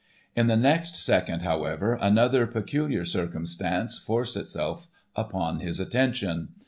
In the next second, however, another peculiar circumstance forced itself upon his attention.